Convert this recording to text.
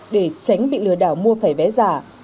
để tránh bị lừa đảo mua phải vé giả